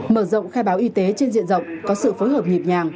mở rộng khai báo y tế trên diện rộng có sự phối hợp nhịp nhàng